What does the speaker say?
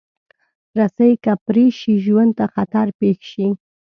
رسۍ که پرې شي، ژوند ته خطر پېښ شي.